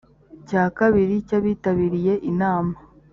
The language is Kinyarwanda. cya kabiri cy abitabiriye inama